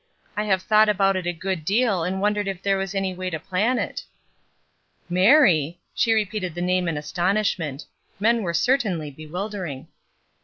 I have thought about it a good deal and won dered if there was any way to plan it." ''Mary!" She repeated the name in astonish ment. Men were certainly bewildering.